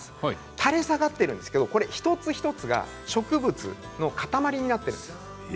垂れ下がっているんですが一つ一つが植物の塊なんです。